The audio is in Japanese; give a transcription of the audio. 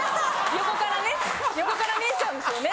横から見えちゃうんですよね。